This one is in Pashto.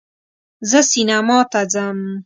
زه سینما ته ځم